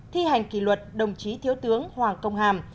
thi hành kỷ luật đồng chí thiếu tướng hoàng công hàm